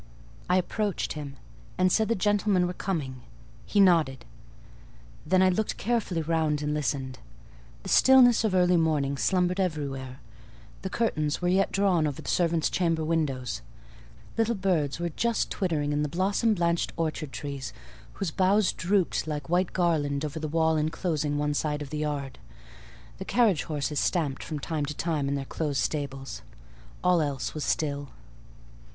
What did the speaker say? I approached him, and said the gentlemen were coming; he nodded: then I looked carefully round and listened. The stillness of early morning slumbered everywhere; the curtains were yet drawn over the servants' chamber windows; little birds were just twittering in the blossom blanched orchard trees, whose boughs drooped like white garlands over the wall enclosing one side of the yard; the carriage horses stamped from time to time in their closed stables: all else was still.